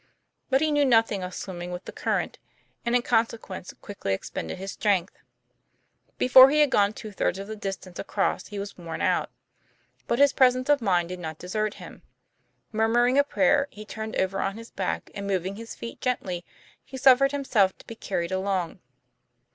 But he knew nothing of swim ming with the current, and, in consequence, quickly expended his strength. Before he had gone two thirds of the distance across he was worn out. But TOM PLA YFAIR. 123 his presence of mind did not desert him. Murmur ing a prayer, he turned over on his back, and, mov ing his feet gently, he suffered himself to be carried along.